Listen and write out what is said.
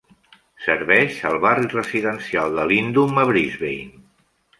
Serveix al barri residencial de Lindum a Brisbane.